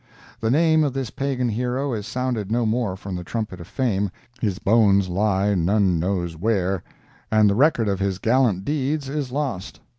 The name of this pagan hero is sounded no more from the trumpet of fame, his bones lie none knows where, and the record of his gallant deeds is lost.